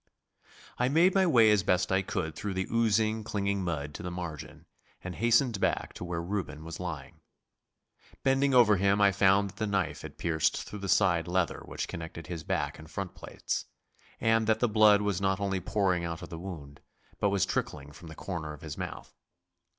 I made my way as best I could through the oozy clinging mud to the margin, and hastened back to where Reuben was lying. Bending over him I found that the knife had pierced through the side leather which connected his back and front plates, and that the blood was not only pouring out of the wound, but was trickling from the corner of his mouth.